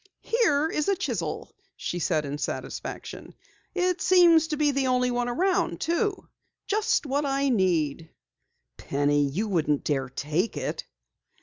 "Here is a chisel," she said in satisfaction. "It seems to be the only one around too. Just what I need!" "Penny, you wouldn't dare take it!"